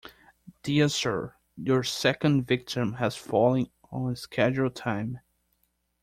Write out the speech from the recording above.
Dear Sir, Your second victim has fallen on schedule time.